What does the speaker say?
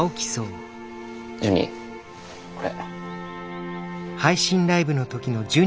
ジュニこれ。